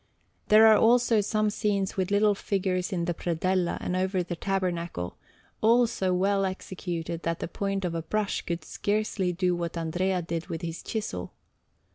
There are also some scenes with little figures in the predella and over the tabernacle, all so well executed that the point of a brush could scarcely do what Andrea did with his chisel.